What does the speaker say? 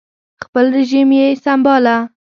خپل رژیم یې سم باله